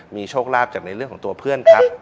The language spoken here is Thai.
มีโชคลาภจากในเรื่องของตัวเพื่อนครับ